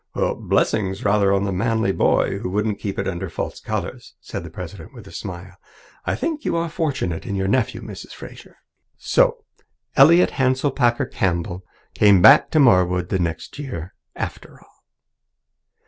"Blessings rather on the manly boy who wouldn't keep it under false colours," said the president with a smile. "I think you are fortunate in your nephew, Mrs. Fraser." So Elliott Hanselpakker Campbell came back to Marwood the next year after all.